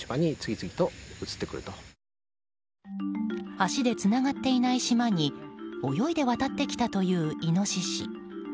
橋でつながっていない島に泳いで渡ってきたというイノシシ。